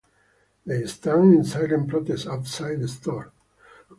They stand in silent protest outside the store.